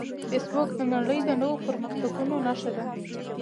فېسبوک د نړۍ د نوو پرمختګونو نښه ده